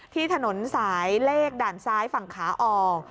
ที่ถนนสายเลขด่านซ้ายฝั่งขาออก